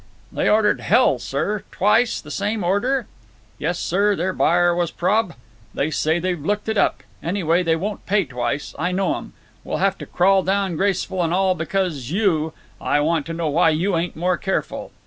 "They ordered hell, sir! Twice—the same order?" "Yes, sir; their buyer was prob—" "They say they've looked it up. Anyway, they won't pay twice. I know, em. We'll have to crawl down graceful, and all because you—I want to know why you ain't more careful!"